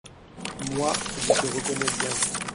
«Moi je te reconnais bien.